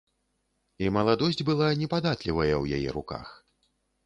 І маладосць была непадатлівая ў яе руках.